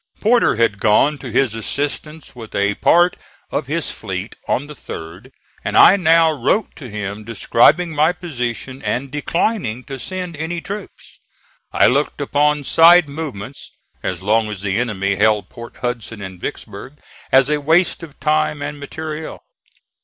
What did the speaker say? Porter had gone to his assistance with a part of his fleet on the 3d, and I now wrote to him describing my position and declining to send any troops. I looked upon side movements as long as the enemy held Port Hudson and Vicksburg as a waste of time and material.